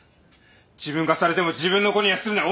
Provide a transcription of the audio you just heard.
自分がされても自分の子にはするな。